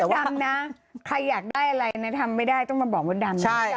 ดำนะใครอยากได้อะไรนะทำไม่ได้ต้องมาบอกมดดำ